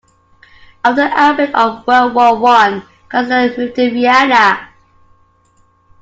After the outbreak of World War One, Kassner moved to Vienna.